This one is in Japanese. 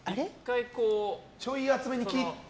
ちょい厚めに切って。